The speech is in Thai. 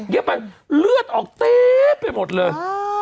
เย็บไปเลือดออกแต้ะไปหมดเลย